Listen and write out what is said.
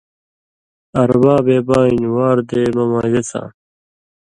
اربابے بانیۡ واردےمہ ماچس آم